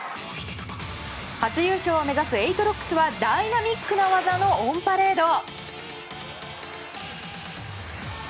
初優勝を目指す８ＲＯＣＫＳはダイナミックな技のオンパレード。